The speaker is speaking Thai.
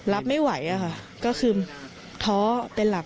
รับไม่ไหวค่ะก็คือท้อเป็นหลัก